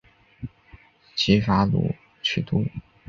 齐伐鲁取都。